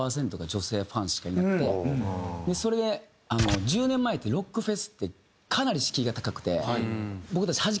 それで１０年前ってロックフェスってかなり敷居が高くて。